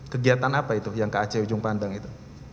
kegiatan apa itu yang ke ac ujung pandang itu